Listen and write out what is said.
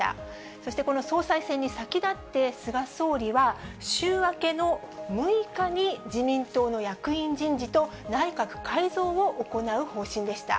そしてこの総裁選に先立って、菅総理は週明けの６日に自民党の役員人事と内閣改造を行う方針でした。